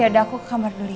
yaudah aku ke kamar dulu ya